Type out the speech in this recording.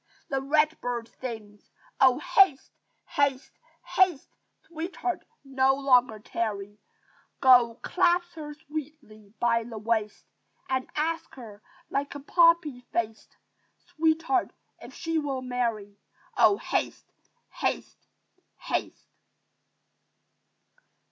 The red bird sings, "Oh, haste, haste, haste! Sweetheart! no longer tarry! Go, clasp her sweetly by the waist! And ask her, like a poppy faced, Sweetheart! if she will marry. Oh, haste, haste, haste!"